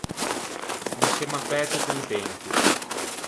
No semmo affæto contenti.